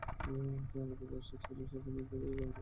তাই আপাতত এরশাদ চাইলেও সরকারের নিয়ন্ত্রণ থেকে বের হতে পারছেন না।